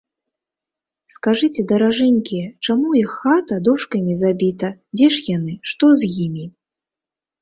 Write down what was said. Скажыце, даражэнькія, чаму іх хата дошкамі забіта, дзе ж яны, што з імі?